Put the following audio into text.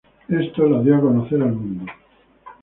Esto la dio a conocer al mundo.